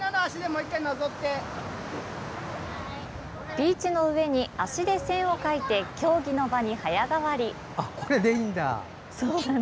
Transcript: ビーチの上に足で線を描いて競技の場に早変わり。